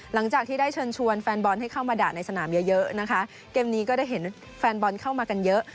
หลังจากที่ได้เชิญชวนแฟนบอลให้เข้ามาด่าในสนามเยอะเยอะนะคะเกมนี้ก็ได้เห็นแฟนบอลเข้ามากันเยอะ